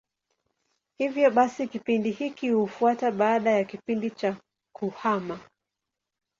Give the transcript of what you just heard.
Hivyo basi kipindi hiki hufuata baada ya kipindi cha kuhama.